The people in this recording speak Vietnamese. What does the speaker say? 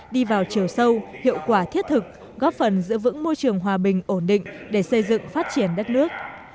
đi vào chiều sâu hiệu quả thiết thực góp phần giữ vững môi trường hòa bình ổn định để xây dựng phát triển đất nước